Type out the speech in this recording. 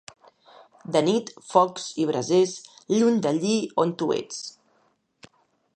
De nit, focs i brasers, lluny d'allí on tu ets.